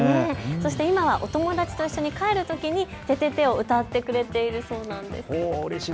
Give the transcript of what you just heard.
そして今はお友達と一緒に帰るときにててて！を歌ってくれているそうなんです。